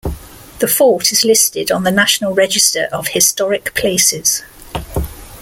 The fort is listed on the National Register of Historic Places.